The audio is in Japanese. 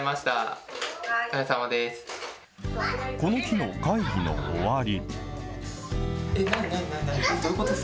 この日の会議の終わり。